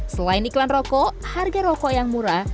selain iklan rokok harga rokok yang murah